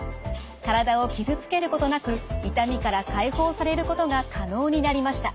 体を傷つけることなく痛みから解放されることが可能になりました。